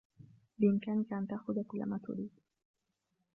بإمكانك أن تأخذ كل ما تريد.